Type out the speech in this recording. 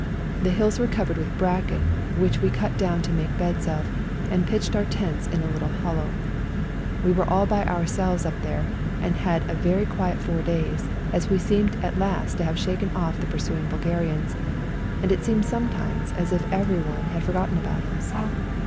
The hills were covered with bracken, which we cut down to make beds of, and pitched our tents in a little hollow. We were all by ourselves up there, and had a very quiet four days, as we seemed at last to have shaken off the pursuing Bulgarians, and 154 ELBASAN it seemed sometimes as if everyone had forgotten all about us.